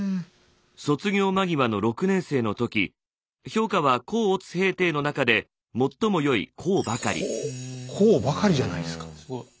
卒業間際の６年生の時評価は甲乙丙丁の中で最も良い「甲」ばかりじゃないですか。